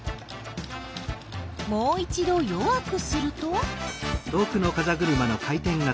もう一ど弱くすると？